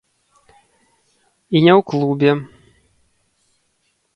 І не ў клубе.